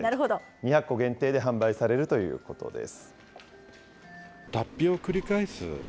２００個限定で販売されるということです。